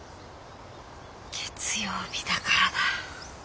月曜日だからだ。